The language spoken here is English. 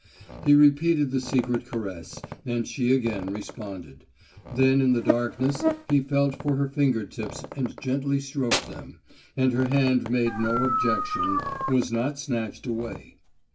He repeated the secret caress, and she again responded. Then in the darkness he felt for her finger tips and gently stroked them, and her hand made no objection, was not snatched away.